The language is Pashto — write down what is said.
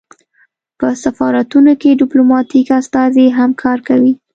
په سفارتونو کې ډیپلوماتیک استازي هم کار کوي